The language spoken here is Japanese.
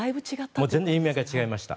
全然意味合いが違いました。